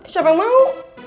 siapa yang mau